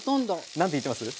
何て言ってます？